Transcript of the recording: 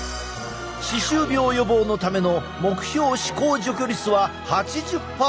歯周病予防のための目標歯こう除去率は８０％。